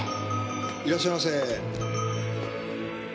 いらっしゃいませ。